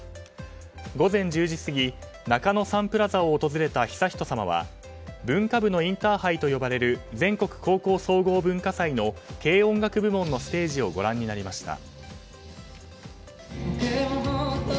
午前１０時過ぎ中野サンプラザを訪れた悠仁さまは文化部のインターハイと呼ばれる全国高校総合文化祭の軽音楽部門のステージをご覧になりました。